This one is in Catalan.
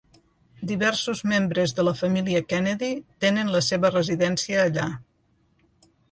Diversos membres de la família Kennedy tenen la seva residència allà.